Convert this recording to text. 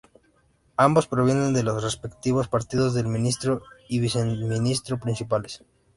Ambos provienen de los respectivos partidos del Ministro y Viceministro Principales.